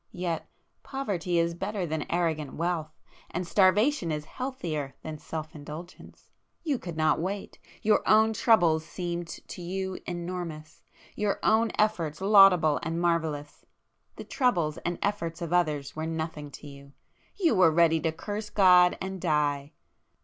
Yet poverty is better than arrogant wealth,—and starvation is healthier than self indulgence! You could not wait,—your own troubles seemed to you enormous,—your own efforts laudable and marvellous,—the troubles and efforts of others were nothing to you;—you were ready to curse God and die.